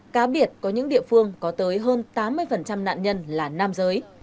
cá biệt có những địa phương có tới hơn tám mươi nạn nhân là nam giới